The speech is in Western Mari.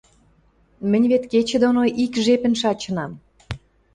— Мӹнь вет кечӹ доно ик жепӹн шачынам...